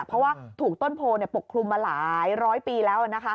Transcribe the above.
เพราะว่าถูกต้นโพปกคลุมมาหลายร้อยปีแล้ว